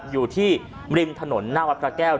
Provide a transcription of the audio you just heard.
อยู่ที่ริมถนนหน้าวัดพระแก้ว